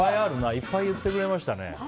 いっぱい言ってくれましたね。